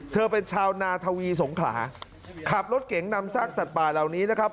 เธอเป็นชาวนาทวีสงขลาขับรถเก๋งนำซากสัตว์ป่าเหล่านี้นะครับ